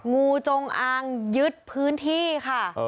งูจงอางยึดพื้นที่ค่ะ